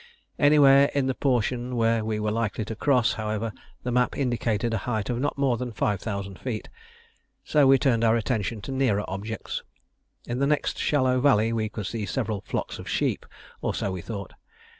Anywhere in the portion where we were likely to cross, however, the map indicated a height of not more than 5000 feet; so we turned our attention to nearer objects. In the next shallow valley we could see several flocks of sheep, or so we thought.